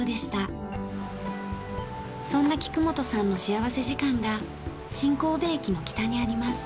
そんな菊元さんの幸福時間が新神戸駅の北にあります。